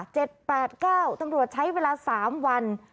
เจ็ดแปดเก้าตังรวจใช้เวลาสามวัน